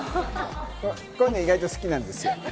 こういうの意外と好きなんです。